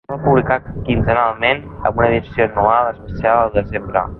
Se sol publicar quinzenalment, amb una edició anual especial el desembre.